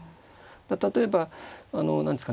例えばあの何ですかね